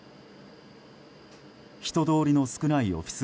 人通りの少ないオフィス